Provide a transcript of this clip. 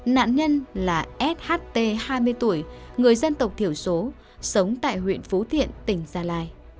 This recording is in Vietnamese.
nạn nhân là sht hai mươi tuổi người dân tộc thiểu số sống tại huyện phú thiện tỉnh gia lai